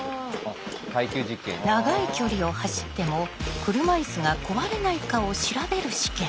長い距離を走っても車いすが壊れないかを調べる試験。